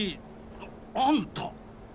ああんた！